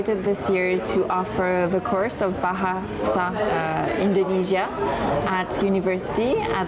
tahun ini kami akan menawarkan kursus bahasa indonesia di universitas